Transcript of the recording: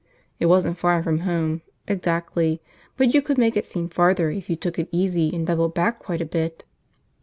It wasn't far from home, exactly, but you could make it seem farther if you took it easy and doubled back quite a bit.